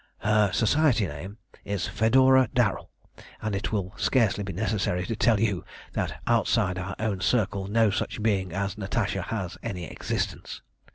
"Her Society name is Fedora Darrel, and it will scarcely be necessary to tell you that outside our own Circle no such being as Natasha has any existence."